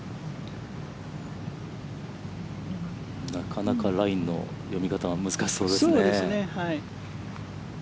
なかなかラインの読み方が難しそうですね。